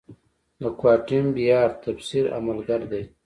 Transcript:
د کوانټم بیارد تفسیر عملگر دی.